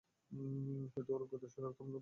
হয়তো ওর অজ্ঞাতসারে আমরা বন্দুক সরিয়ে ফেলতে পারি।